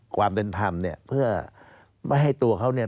ความเป็นธรรมเนี่ยเพื่อไม่ให้ตัวเขาเนี่ย